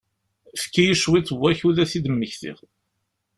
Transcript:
Efk-iyi cwiṭ n wakud ad t-id-mmektiɣ.